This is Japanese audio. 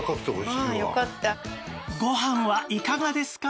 ご飯はいかがですか？